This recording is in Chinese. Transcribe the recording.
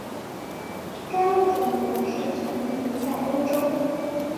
该物种的模式产地在欧洲。